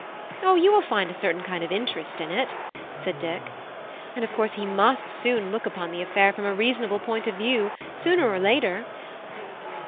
"O, you will find a certain kind of interest in it," said Dick. "And of course he must soon look upon the affair from a reasonable point of view sooner or later."